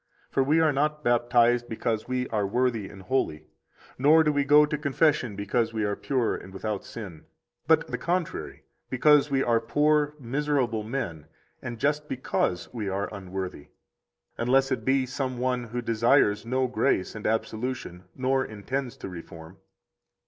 For we are not baptized because we are worthy and holy, nor do we go to confession because we are pure and without sin, but the contrary, because we are poor miserable men, and just because we are unworthy; unless it be some one who desires no grace and absolution nor intends to reform.